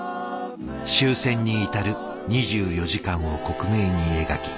終戦に至る２４時間を克明に描きベストセラーに。